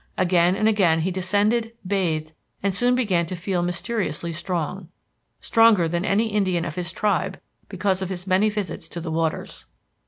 Again and again he descended, bathed, and soon began to feel mysteriously strong, "stronger than any Indian of his tribe because of his many visits to the waters."